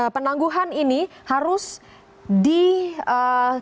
penangguhan ini harus diperhatikan